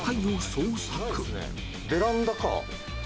ベランダか。